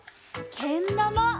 けんだま！